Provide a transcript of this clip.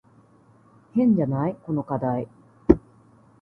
変じゃない？この課題。